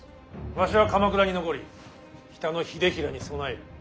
わしは鎌倉に残り北の秀衡に備える。